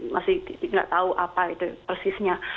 masih tidak tahu apa itu persisnya